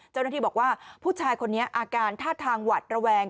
เจ้าหน้าที่บอกว่าผู้ชายคนนี้อาการท่าทางหวัดระแวง